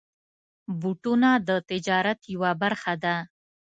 بوټونه د تجارت یوه برخه ده.